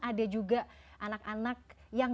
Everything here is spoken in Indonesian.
ada juga anak anak yang